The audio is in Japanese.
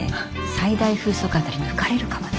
最大風速あたり抜かれるかもね。